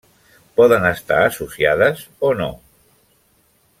Poden estar associades o no.